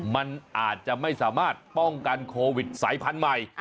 มันอาจจะไม่สามารถป้องกันโควิดสายพันธุ์ใหม่